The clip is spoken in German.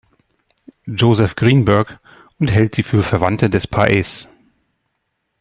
Joseph Greenberg und hält sie für Verwandte des Paez.